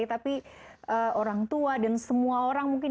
tapi orang tua dan semua orang mungkin